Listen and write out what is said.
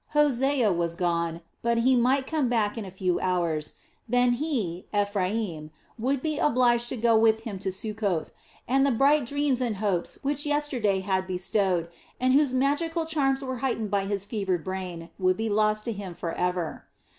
Hosea had gone, but he might come back in a few hours, then he, Ephraim, would be obliged to go with him to Succoth, and the bright dreams and hopes which yesterday had bestowed and whose magical charms were heightened by his fevered brain, would be lost to him forever.